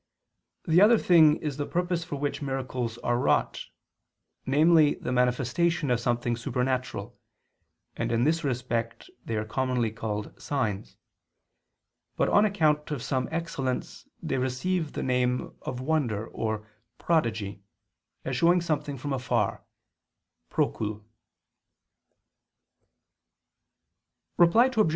The other thing is the purpose for which miracles are wrought, namely the manifestation of something supernatural, and in this respect they are commonly called "signs": but on account of some excellence they receive the name of "wonder" or "prodigy," as showing something from afar (procul). Reply Obj.